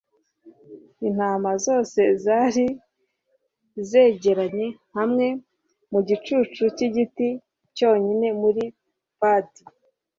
Intama zose zari zegeranye hamwe mu gicucu cyigiti cyonyine muri padi